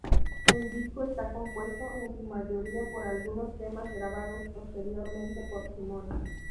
El disco está compuesto en su mayoría por algunas temas grabados anteriormente por Simon.